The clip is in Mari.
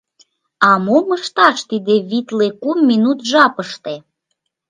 — А мом ышташ тиде витле кум минут жапыште?